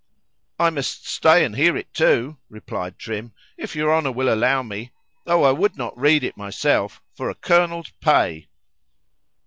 I must stay and hear it too, replied Trim, if your Honour will allow me;—tho' I would not read it myself for a Colonel's pay.